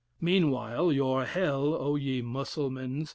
Meanwhile your hell, O ye Musselmans!